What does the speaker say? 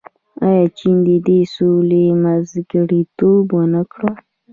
آیا چین د دې سولې منځګړیتوب ونه کړ؟